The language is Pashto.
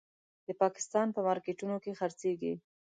د پاکستان په مارکېټونو کې خرڅېږي.